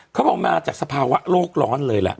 เขาบอกมาจากสภาวะโลกร้อนเลยล่ะ